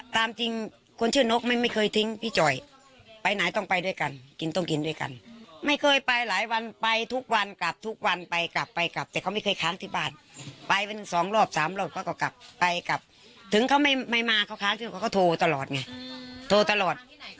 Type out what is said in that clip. ตามจริงคนชื่อนกไม่เคยทิ้งพี่จ่อยไปไหนต้องไปด้วยกันกินต้องกินด้วยกันไม่เคยไปหลายวันไปทุกวันกลับทุกวันไปกลับไปกลับแต่เขาไม่เคยค้างที่บ้านไปเป็นสองรอบสามรอบเขาก็กลับไปกลับถึงเขาไม่มาเขาค้างชื่อเขาก็โทรตลอดไงโทรตลอด